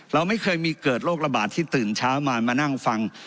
เราไม่เคยมีเกิดโรคระบาดที่ตื่นเช้ามามานั่งฟัง